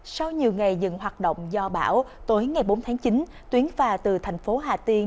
sau nhiều ngày dừng hoạt động do bão tối ngày bốn tháng chín tuyến phà từ thành phố hà tiên